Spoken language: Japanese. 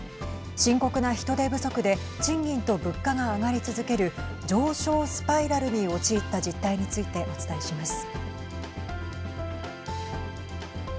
深刻な人手不足で賃金と物価が上がり続ける上昇スパイラルに陥った実態についてお伝えします。